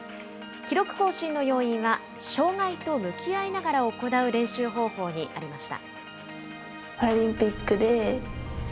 記録更新の要因は、障害と向き合いながら行う練習方法にありました。